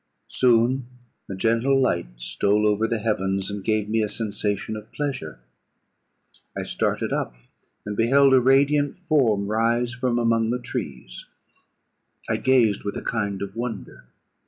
"Soon a gentle light stole over the heavens, and gave me a sensation of pleasure. I started up, and beheld a radiant form rise from among the trees. I gazed with a kind of wonder.